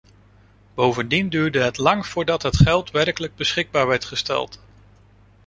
Bovendien duurde het lang voordat het geld werkelijk beschikbaar werd gesteld.